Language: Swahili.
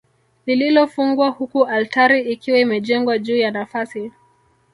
Lililofungwa huku altari ikiwa imejengwa juu ya nafasi